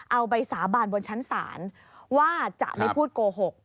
เอาไปสาบานบนชั้นศาลว่าจะไม่พูดโกหก